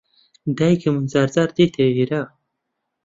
دایکم جار جار دێتە ئێرە.